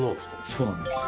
そうなんです。